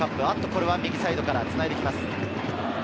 これは右サイドからつないできます。